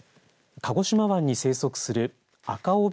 鹿児島湾に生息するアカオビ